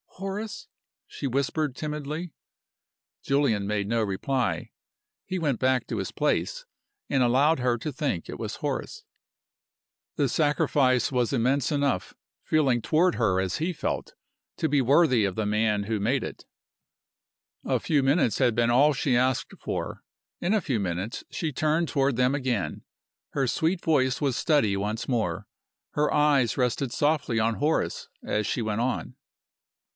"Horace?" she whispered, timidly. Julian made no reply. He went back to his place, and allowed her to think it was Horace. The sacrifice was immense enough feeling toward her as he felt to be worthy of the man who made it. A few minutes had been all she asked for. In a few minutes she turned toward them again. Her sweet voice was steady once more; her eyes rested softly on Horace as she went on.